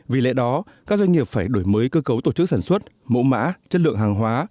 vì lẽ đó các doanh nghiệp phải đổi mới cơ cấu tổ chức sản xuất mẫu mã chất lượng hàng hóa